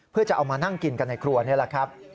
เพื่อจะเอามานั่งกินกันในครัวนี่แหละครับ